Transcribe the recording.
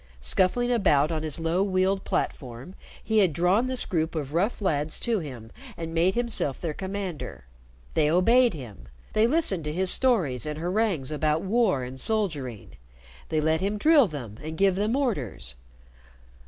Scuffling about on his low wheeled platform, he had drawn this group of rough lads to him and made himself their commander. They obeyed him; they listened to his stories and harangues about war and soldiering; they let him drill them and give them orders.